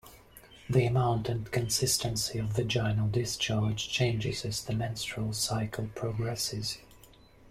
The amount and consistency of vaginal discharge changes as the menstrual cycle progresses.